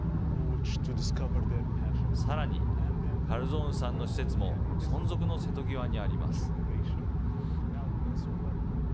さらに、カルゾウンさんの施設も存続の瀬戸際にあります。